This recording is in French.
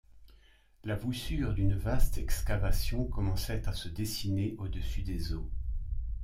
La voussure d’une vaste excavation commençait à se dessiner au-dessus des eaux